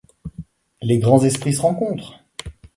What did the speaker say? Les grands esprits se rencontrent !